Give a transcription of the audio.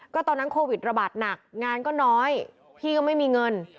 ก็ตอนนั้นโควิดระบาดหนักงานก็น้อยพี่ก็ไม่มีเงิน